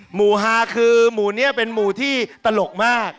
หมู่ฮาคือหมู่นี้เป็นหมู่ที่ตลกมาก